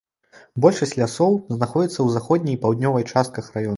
Большасць лясоў знаходзіцца ў заходняй і паўднёвай частках раёна.